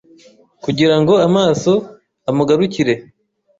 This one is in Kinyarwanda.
Kugira ngo amaso amugarukire